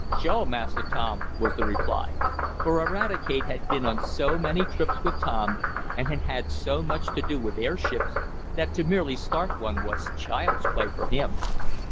"Suah, Massa Tom," was the reply, for Eradicate had been on so many trips with Tom, and had had so much to do with airships, that to merely start one was child's play for him.